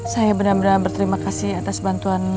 saya benar benar berterima kasih atas bantuan